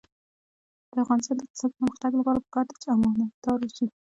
د افغانستان د اقتصادي پرمختګ لپاره پکار ده چې امانتدار اوسو.